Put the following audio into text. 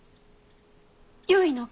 よいのか？